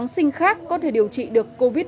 tháng sinh khác có thể điều trị được covid một mươi chín